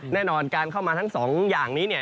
แน่นอนการเข้ามาทั้งสองอย่างนี้